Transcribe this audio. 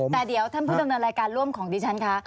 แต่เดี๋ยวท่านผู้ดำเนินรายการร่วมของดิฉันคะ